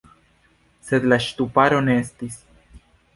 Sed la ŝtuparo ne estis.